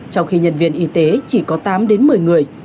trong khi nhân viên y tế chỉ có tám đến một mươi người